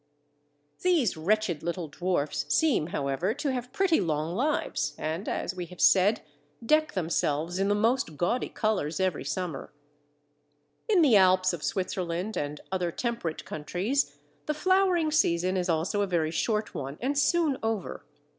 These wretched little dwarfs seem, however, to have pretty long lives, and, as we have said, deck themselves in the most gaudy colours every summer. In the Alps of Switzerland and other temperate countries, the flowering season is also a very short one and soon over.